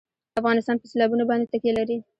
افغانستان په سیلابونه باندې تکیه لري.